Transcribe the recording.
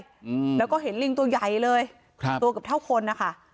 อืมแล้วก็เห็นลิงตัวใหญ่เลยครับตัวเกือบเท่าคนนะคะ